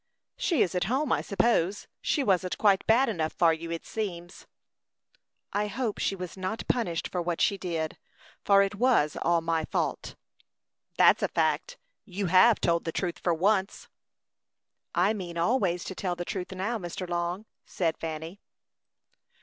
"She is at home, I suppose. She wasn't quite bad enough for you, it seems." "I hope she was not punished for what she did, for it was all my fault." "That's a fact. You have told the truth for once." "I mean always to tell the truth now, Mr. Long," said Fanny.